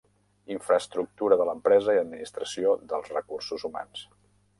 Infraestructura de l'empresa i administració dels recursos humans.